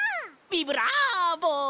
ビブラーボ！